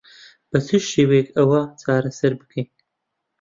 بە چ شێوەیەک ئەوە چارەسەر بکەین؟